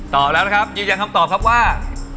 ตอบแล้วนะครับยืนยันคำตอบครับว่า